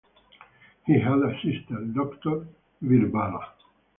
He had a sister, Doctor Veerbala.